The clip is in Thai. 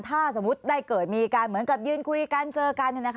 ถ้าสมมุติได้เกิดมีการเหมือนกับยืนคุยกันเจอกัน